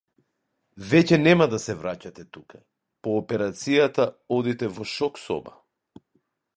Веќе нема да се враќате тука, по операцијата одите во шок соба.